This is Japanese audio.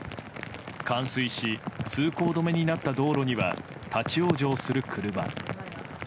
冠水し、通行止めになった道路には立ち往生する車。